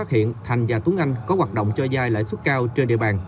hiện thành và tốn anh có hoạt động cho dài lãi suất cao trên địa bàn